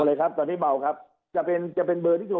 เบาเลยครับตอนนี้เบาครับจะเป็นเบอร์ที่โทรมา